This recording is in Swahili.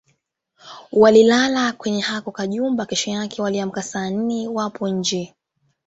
Walilala kwenye hako kajumba kesho yake waliamka saa nne wapo nje